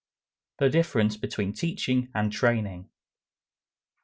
III. THE DIFFERENCE BETWEEN TEACHING AND TRAINING.